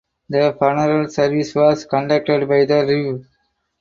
The funeral service was conducted by The Rev.